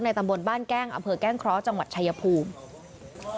ตำบลบ้านแก้งอำเภอแก้งเคราะห์จังหวัดชายภูมิ